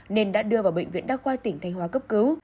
nên đã đưa vào bệnh viện đa khoa tỉnh thanh hóa cấp cứu